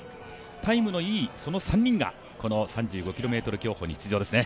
タイムのいい、この３人がこの３５ｋｍ競歩に出場ですね。